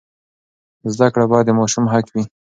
زده کړه باید د ماشوم حق وي.